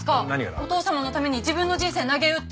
お父様のために自分の人生なげうって。